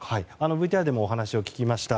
ＶＴＲでもお話を聞きました